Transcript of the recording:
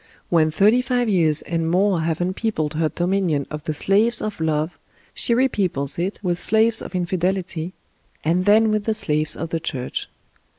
When thirty five years and more have unpeopled her do minion of the slaves of love she repeoples it with slaves of infidelity, and then with the slaves of the church.